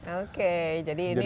oke jadi ini memang